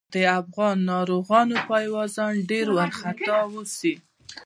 د افغان ناروغانو پايوازان ډېر وارخطا اوسي.